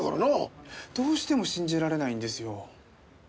どうしても信じられないんですよ。